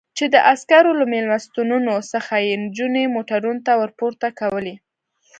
چې د عسکرو له مېلمستونونو څخه یې نجونې موټرونو ته ور پورته کولې.